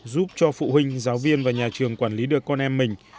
giúp cho phụ huynh giáo viên và nhà trường quản lý được con em mình